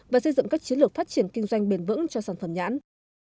và xây dựng các chiến lược phát triển kinh doanh bền vững cho sản phẩm nhãn